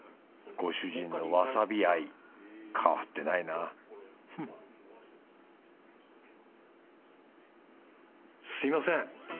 ご主人のわさび愛変わってないなフッすみません。